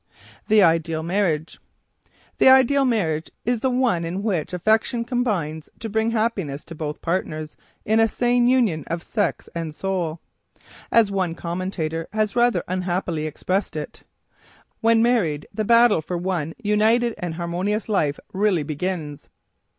THE IDEAL MARRIAGE The ideal marriage is the one in which affection combines to bring happiness to both partners in a sane union of sex and soul. As one commentator has rather unhappily expressed it: "When married the battle for one united and harmonious life really begins!"